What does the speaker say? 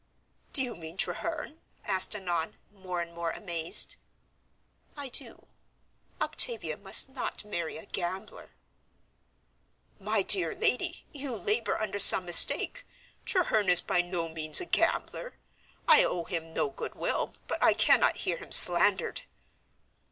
"Do you mean Treherne?" asked Annon, more and more amazed. "I do. Octavia must not marry a gambler!" "My dear lady, you labor under some mistake; Treherne is by no means a gambler. I owe him no goodwill, but I cannot hear him slandered."